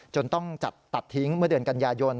ต้องจัดตัดทิ้งเมื่อเดือนกันยายน